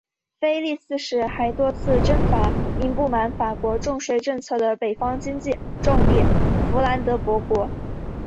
腓力四世还多次征伐因不满法国重税政策的北方经济重地佛兰德伯国。